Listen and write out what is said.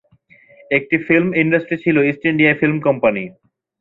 একটি film industry ছিল East India Film company.